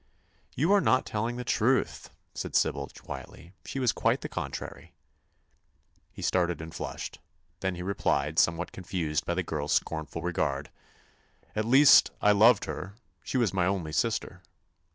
"You are not telling the truth," said Sybil, quietly. "She was quite the contrary." He started and flushed. Then he replied, somewhat confused by the girl's scornful regard: "At least, I loved her. She was my only sister."